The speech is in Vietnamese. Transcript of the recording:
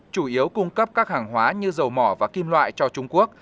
chủ yếu cung cấp các hàng hóa như dầu mỏ và kim loại cho trung quốc